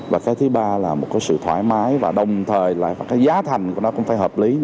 và cái thứ ba là một cái sự thoải mái và đồng thời là cái giá thành của nó cũng phải hợp lý